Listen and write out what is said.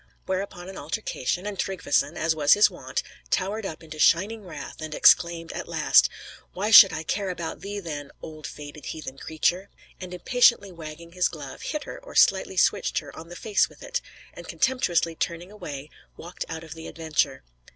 Whereupon an altercation; and Tryggveson, as was his wont, towered up into shining wrath, and exclaimed at last, "Why should I care about thee then, old faded heathen creature?" And impatiently wagging his glove, hit her, or slightly switched her, on the face with it, and contemptuously turning away, walked out of the adventure.